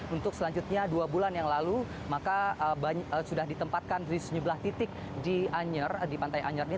untuk selanjutnya dua bulan yang lalu maka sudah ditempatkan di sejumlah titik di anyer di pantai anyer ini